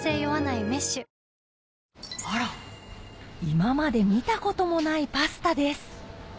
今まで見たこともないパスタです